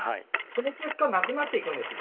その結果、なくなっていくんです。